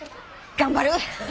頑張る。